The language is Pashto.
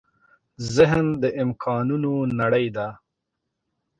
ذهن د امکانونو نړۍ ده.